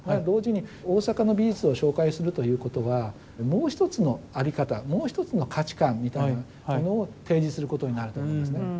同時に大阪の美術を紹介するということはもう一つの在り方もう一つの価値観みたいなものを提示することになると思うんですね。